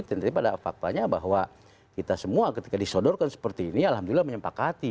tapi pada faktanya bahwa kita semua ketika disodorkan seperti ini alhamdulillah menyempak hati